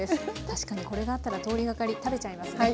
確かにこれがあったら通りがかり食べちゃいますね。